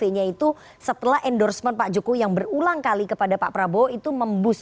surveinya itu setelah endorsement pak joko yang berulang kali kepada pak prabowo itu membus